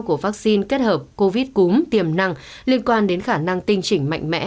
của vaccine kết hợp covid cúm tiềm năng liên quan đến khả năng tinh chỉnh mạnh mẽ